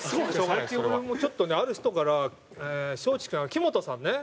最近俺もちょっとねある人から松竹の木本さんね。